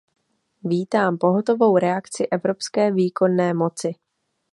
Vítám pohotovou reakci evropské výkonné moci.